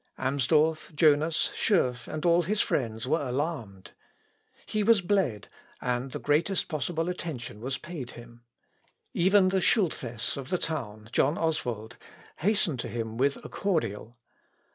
Amsdorff, Jonas, Schurff, and all his friends, were alarmed. He was bled, and the greatest possible attention was paid him. Even the Schulthess of the town, John Oswald, hastened to him with a cordial.